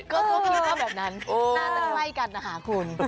ก็คิดว่าแบบนั้นน่าน่าใต้ไว้กันนะคะคุณ